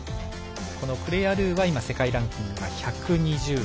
このクレア・ルーは今世界ランキングが１２０位。